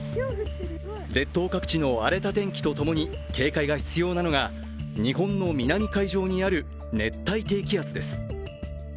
列島各地の荒れた天気と共に警戒が必要なのが日本の南海上にある熱帯低気圧です。